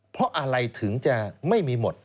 เพราะอะไรถึงจะไม่มีหมด